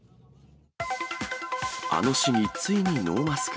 あの市議、ついにノーマスク。